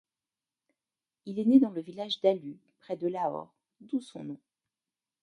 Il est né dans le village d'Alu près de Lahore, d'où son nom.